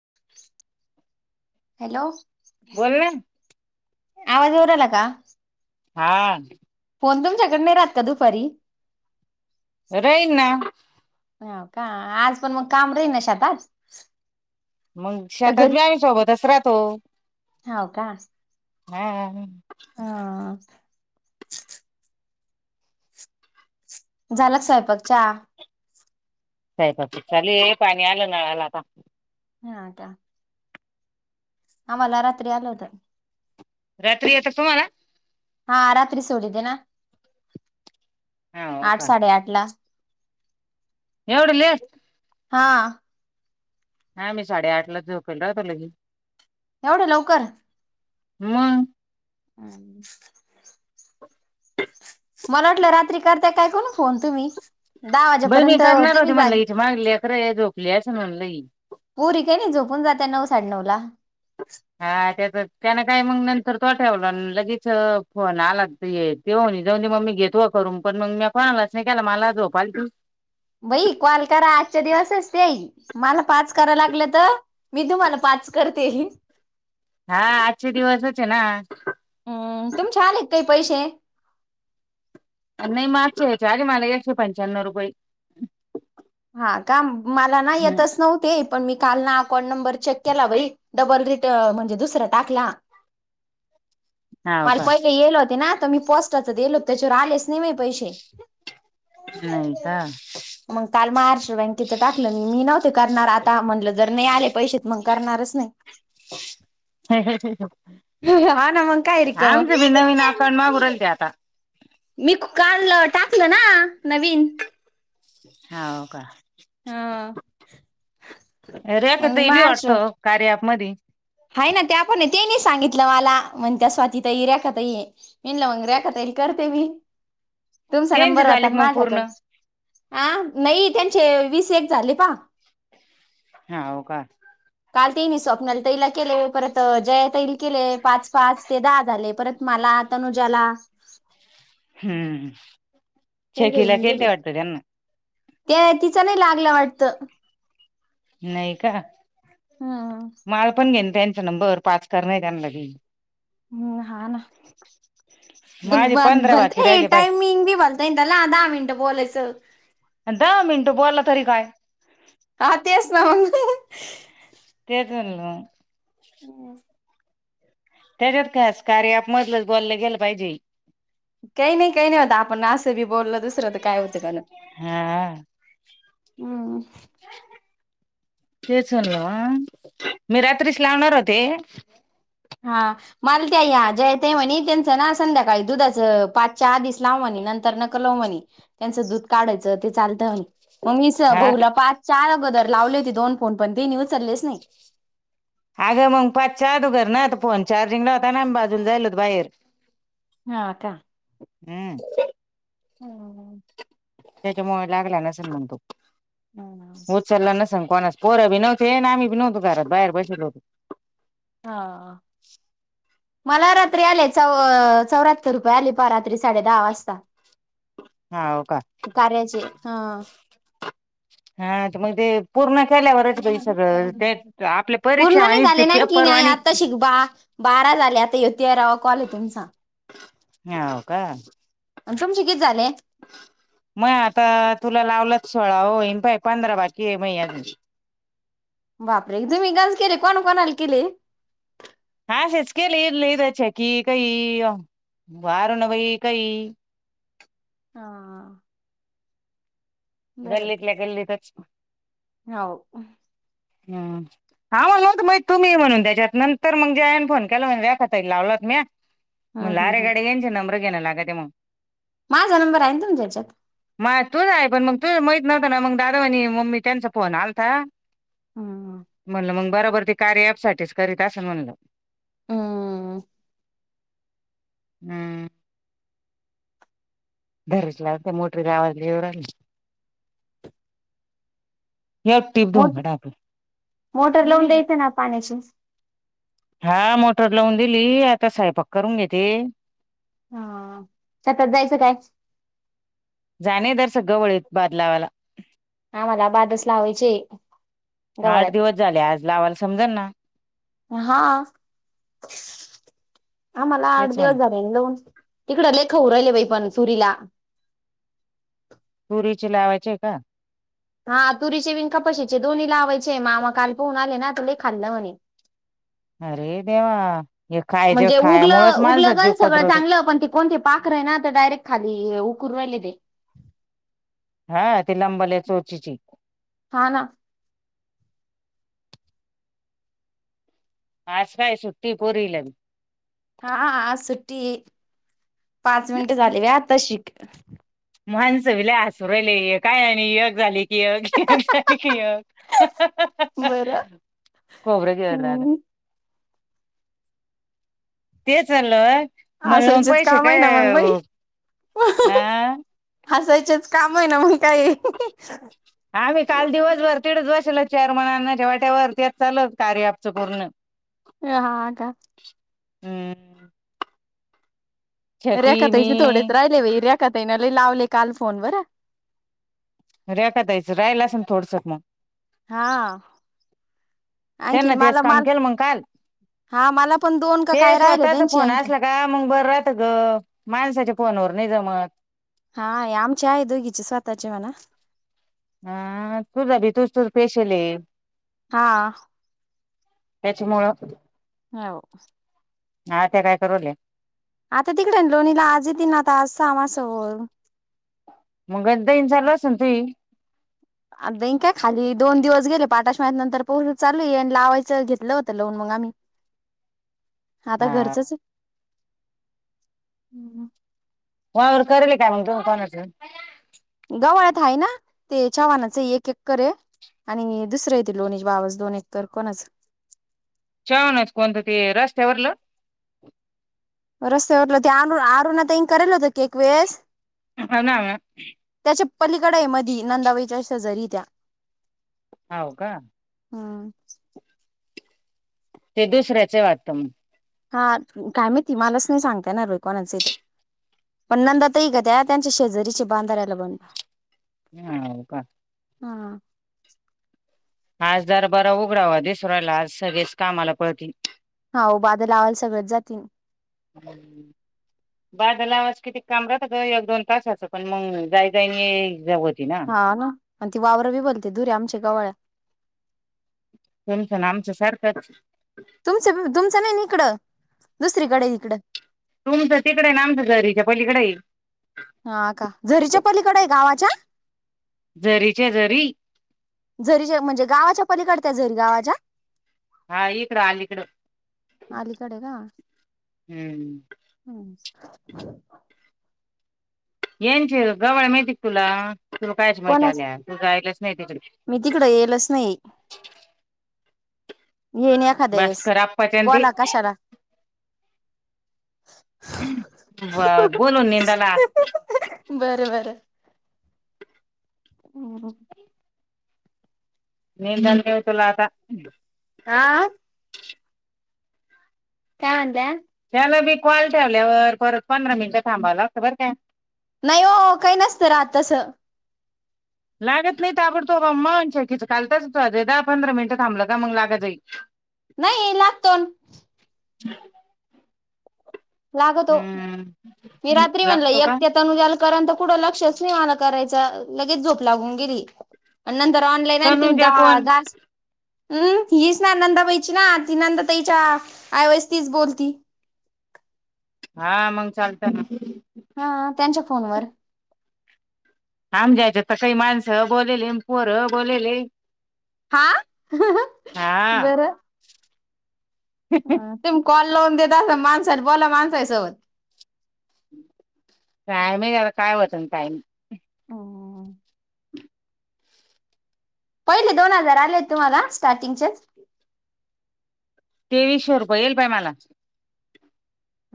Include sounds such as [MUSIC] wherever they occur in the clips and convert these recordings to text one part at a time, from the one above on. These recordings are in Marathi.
[INAUDIBLE] हॅलो बोल ना आवाज उरला आला का हा फोन तुमच्याकड नाही राहात का दुपारी राहीन ना हो का आज पण मग काम रही ना शातात मग शेतात बी आम्ही सोबतच राहतो ह का हम्मम हा झालं स्वयंपाकच्याचा साहे बा चाले पाणी आलं नळाला आता हा का आम्हाला रात्री आलं होतं रात्री आता तुम्हाला हा रात्री सोली दे ना हा हो आठ साडेआठ ला एवढ लिस्. हा. हा मी साडेआठ ला झोपल राहतो लगे एवढं लवकर म मला वाटलं रात्री करत काय करण फोन तुम्ही दहा बाई मी वाजेपर्यंत करणार मी होते म जागी लईच मागली अ खर झोकलीच म्हून लई पूरी काय नाही झोपून जाते नऊ साडे नऊ ला हा ते त्यान काय मग नंतर तो ठेवला लगेच फोन आला तेऊ जाेऊन मम्मी घेत तो करून पण मग मी पणालाच नाही केला मला झोपाली भाई कॉल करा आजच्या दिवसच तेई मला पाच करा लागलं तर मी तुम्हाला पाच च करते हा आजचे दिवस होचे ना हम्म तुमचे आलेत काही पैसे नाही मागस या्याच्या आगे मला एकशे पंचान्नव रुपये हा का मला ना हम्म येतच नव्हते. पण मी काल ना अकाउंट नंबर चेक केला बई डबल रिट म्हणजे दुसरा टाकला. [INAUDIBLE] हाव मला का पहिले येल होते ना तर मी पोस्टाच गलोत त्याच्यावर आलेच नेहमी पैसे.. नाही का. का महाराष्ट्र बँकेच टाकलं मी मी नव्हते करणार आता म्हणलं. जर नाही आले पैसे मग करणारच नाही. ह ह. हा ना मग काय हा रिकामं. आमचं बी नवीन अकाउंट मागरल ते आता. मी काढलं टाकलं ना नवीन. हव का. हा. रेखता बी वाटतो कार्य आप मध. ह ना ते आपण तेनी सांगितलं मला म्हण त्या स्वाती तई रेखाताई म्हनलं मग र्याखत येईल. मी तुमचा त्यांचे नंबर झाले होता का मग माझाक पूर्ण नाही त्यांचे वीस एक झाले पा हा हो का. काल ते नाही स्वप्नाला. तैला केले परत जय तैल केले पाच पाच ते दहा झाले परत मला तनुजाला. [INAUDIBLE] हम्म चकीिला खळते वाटतर त्यांना त्या तिचा नाही लागलं वाटत. नाही का हम्. मला पण घेईन त्यांचा नंबर पाच करण त्यांना. हम्म हा ना. माझे पंधरा भलत बाकी राहिले बाय टाइमिंग बी भलतय त्याला आधहा मिनटं बोोलयच. च. दहा मिनटं बोलला तरी काय. हा तेच नाव. तेजल हम् त्याच्यात कास कार्य आपमधलंच बोललं गेलं पाहिजे काही नाही काही नाही आता आपण असं बी बोललं दुसरं तर काय होतं काण हा हम् तेच हो मी रात्रीस लावणार होते. हा मालत्या ह्या जयत म्हणे त्यांचं ना संध्याकाळी दुधाचं पाच चार दिस लाव म्हणे. नंतर नका लव म्हणे त्यांचं दूध काढायचं ते चालतंणे. मग मीच हा बघूला पाच चार अगोदर लावले होते दोन फोन पण ते निचललेच नाही. अगं मग पाचच्या आधो घर ना आ फोन चार्जिंग लावताना बाजूला जायल होत बाहेर. हा आ का. हम्म. हम् त्याच्यामुळे लागला नसल म्हणतो हम्म. उचलला न सांगतो. कोणास पोरा बी नव्हते आणि आमही बी नव्हतो घरात बाहेर बसल होतो. ह मला रात्री आले च चौ. रुपया आली पहा रात्री साडे दहा वाजता. हाव का करायचे हा. हा तर मग ते पूर्ण केल्यावरच बाई सगळं ते आपल्या पूर्ण परीक्षा नाही वाणीच ते झाले नाही की पेपर नाहीय वाणी आता शिकवा. बारा झाले आता यतीरावा कॉल आहे तुमचा.. ह हो का. आणि तुमचे किती झाले? मग आता तुला लावलंच. सोळा होईन पाय पंधरा बाकी आहे म. बापरे एक जु ग केले कोण कोणाल केले च केले ल दचे की कही वार न वई कही हा गल्लीतल्या गल्लीतच ह हम हा म्हणलवत मा तुम्ही म्हणून त्याच्यात नंतर मग ज्याने फोन केला म्हख तई लावलात मी हम्म मग हम्म लारे हम्म गाडी घेनचे नम्र घेण्या लागा ते मग माझा नंबर आहे ना तुमच्या ह्याच्यात मा तूच आहे पण मग तू माहित न्हताना मग दादा आणि मम्मी त्यांचा फोन आलता हम्म. म्हणल मग बरोबर ते कार्य अप साठीच करीत असं म्हणल हम्म हम्म धरीचला मोठरी गावाली येव आ [UNINTELLIGIBLE] या टिप दू मोट घड आप मोटर लावून [UNINTELLIGIBLE] द्यायचं ना पाण्याची. हा मोटर लावून दिली आता स्वयंपाक करून घेेते हा सतत जायचं काय जाणेदर सग ळं वळत बदलावाला हा मला बादच लावायचे आठ गवाळ्यात. दिवस झाले आज लावायला समजण ना हा आम्हाला आठ तेच दिवस म्हण झाले दोन तिकड लेखऊ राहिले बाई पण सुरला पुरीचे लावायचे आहे का हा तुरीचे बिन कपाशीचे दोन्ही लावायचे मामा काल पोहून आले ना आ खाल्ल म्हणे अरे देवा हे खायच्या म्हणजे उगल खायामुळेच उगल माणसात जीव गल सगळं कदरतो. चांगलं पण त कोणती पाख र आहे ना तर डायरेक्ट खाली उकरू राहिले ते हा ती लंबल आहे चोरचीची हा ना आज काय सुट्टी पोरीला हा सुट्टी पाच मिनिट झाली बाई आता शिक माणस बी लई हसू राहिले काय नाही एक झाली की एक झाली की यग बरं खोबरं गिळलं दादा हम् तेच म्हणलो हासायचेच काम आहे ना मग बाई हासायचेच काम आहे ना मग काय आम्ही काल दिवसभर तडच बसेल चेअरमन अन्नाच्या वाट्यावर तेच चालू होतं दिवसभर ह हा आता हम्म छकी रेखा मी ताईचे थोडेच राहिले बाई रेखाताईने लावले काल फोन वर रेखा ताई चे राहिले असेल मग थोडसं मग हा त्यांना आणखीन तेच मला काम माल केलं मग काल हा मला पण दोन का ते काय राहिले स्वतःचा त्यांची फोन आणखी असला का मग बर राहतं ग माणसाच्या फोनवर नाही जमात हा आमचे आहे दोघीचे स्वतःचे म्हणा हा तू झा भी तूज तू पेशले आहे हा त्याच्या मुळ हो ह त्या काय करूले आता तिकडे लोणीला आज येतील ना आता आज समासर मग देना चालू अस न तुई मग बक काय खाली दोन दिवस गेले पाठाश महि्या नंतर पोह चालू आणि लावायचं घेतलं होतं लोन म गाम [UNINTELLIGIBLE] आता हा घरचंच वावर करेल काय मग तो कोणात गवळ्यात हा ना ते चाव्हानाच एक एक करे आणि दुसरे येत लोणीची बावाज दोन एक तर कोणच वणच कोणतं ते रस्त्यावरलं र आरुणेल होत क वस हो ना त्याच्या पलीकडा मध नंदावेच्या शेजरीत्या हव का हम ते दुसऱ्याचे वाटतं मग हा काय मती मलाच नाही सांगताय ना रोकॉणाच तर पण नंदा तही ग त्या त्यांच्या शेजारीचे बांधार्यायला बंड हम हो का हा आज जरा बरा उघडावा दिस राहिला आज सगळेच कामाला पळती हो बाध लावायला सगळेच जातील बादल आवाज किती काम रात एक दोन तासाचं पण मग जाई जाई नाही जावत हा ना आणि ती वावर बी बोलते द धुरीे आमच्या गवाळ्यात तेमचा ना आमचं सरकारच तुमच तुमचं नाही निकड दुसरीकडे इिकड तुमचं तिकडे आहे ना आमचं घरीच्या पहिलीकडे येईल हा का झरीच्या पलीकडे आहे गावाच्या झरीचे झरी झरीच्या म्हणजे गावाच्या पलीकडत्या झरी गावाच्या हा इकड आकड अलीकडे का हम्म येनचेर गवाळ मे त तुला तुला कायच माहिती कोणाच आल्या तू गयलाच नाही त मी त तिकड येलच नाही येईन एखाद्या बस वेळेस खराचंद बोला कशाला बोलून नंदाला बरं होम निध होतला आता आ काय म्हत त्याला मी कॉल ठेवल्यावर परत पंधरा मिनिटं थांबावं लागतं बरं काय नाही हो काही नसतं राहत तस लागत नाही आपण तो्म शकीचलताच तू दहा पंधरा मिनिटं थांबलं का मग लागत जाई नाही लागतोन ह लागतो मी रात्री म्हणल लागतो एक का तेतानु द्याला क लक्ष म कराय लगेो लाून तर ऑनलाईन त तनुजा दहा कोण जा हम्म हीच ना नंदाबाईची ना ती नंदा ताईच्या वज तीच बोलती हा मंग चालत ना हा त्यांच्या फोनवर आम जा्यायच्या तर काही माणसं बोलेले पोर ह बोलेले हा हा बरं ह तेम कॉल लावून देत अस माणसा बोला माणसासोबत टायम आहे झाला काय होत टाईम हो पहिले दोन हजार आलेत तुम्हाला स्टार्टिंगच्याच तेवीसशे रुपये येईल पाय मला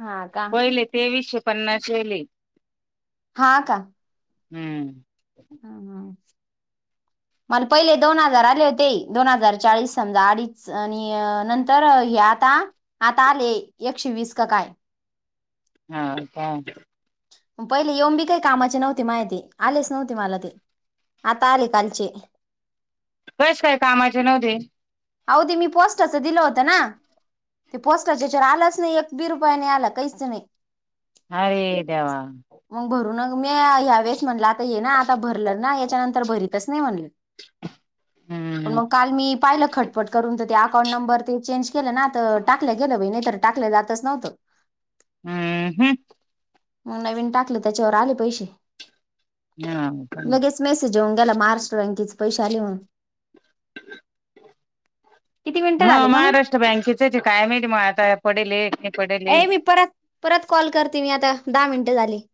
हा का? पहिले तेवीसशे पन्नास वेले हा का हम्म हम ह मला पहिले दोन हजार आले होते दोन हजार चाळीस समजा अडीच आणि नंतर हे आता आता आले एकशे वीस का काय हा का पहिले येऊन बी काही कामाचे नव्हती माहिती आलेच नव्हते मला ते आता. आले कलचे कस काय कामाचे नव दे अवदी मी पोस्टचं दिलं होतं ना ते पोस्टाच्याच्यावर आलंच नाही एक बी रुपयाने आला काहीच नाही अरे देवा तुम्ही ह्या वेळेस म्हणलं आता ये ना आता भरलं ना याच्यानंतर भरीतच नाही म्हणलं पण हम्म मग काल मी पाहिलं खटपट करून तर अकाउंट नंबर ते चेंज केलं ना आता टाकलं गेलं बाई नाही तरर टाकलं जातच नव्हतं हम्म हम् मग नवीन टाकलं त्याच्यावर आले पैसे हा का जेवन गेला महाराष्ट्र बँकेचे पैसे आले किती मिनिटं मग झाले का महाराष्ट्र बँकेचच कायम म आता पडेल नाही पडेल आहे. ए मी परत परत कॉल करते मी आता दहा मिनट झाली